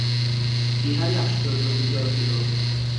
বিহারী আশ্চর্য হইয়া রহিল।